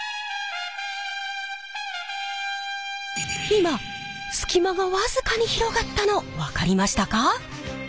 今隙間がわずかに広がったの分かりましたか？